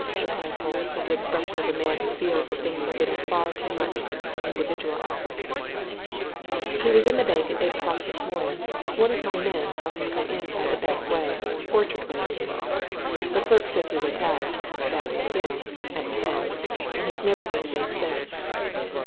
replied Polke, with the expression of a man who feels that things are getting too much for individual effort, "He was at the bank at eight o'clock this morning one of my men saw him go in by the back way orchard way, you know. The clerks say he went out that way again at ten, and he's never been seen since."